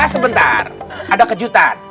pak sebentar ada kejutan